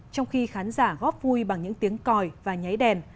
trong khi khán giả góp vui bằng những tiếng còi và nháy đèn